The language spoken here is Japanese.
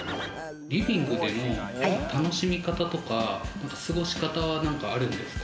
リビングでの楽しみ方とか、過ごし方なんかあるんですか？